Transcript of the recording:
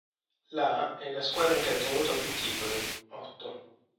La è la squadra che ha ottenuto più titoli, otto.